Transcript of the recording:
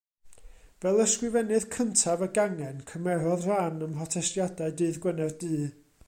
Fel ysgrifennydd cyntaf y gangen, cymerodd ran ym mhrotestiadau Dydd Gwener Du.